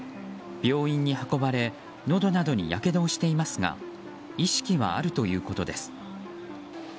病院に運ばれのどなどにやけどをしていますが意識はあるということです。